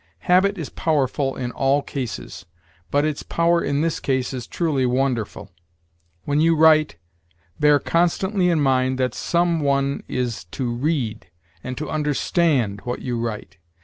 Habit is powerful in all cases; but its power in this case is truly wonderful. When you write, bear constantly in mind that some one is to read and to understand what you write.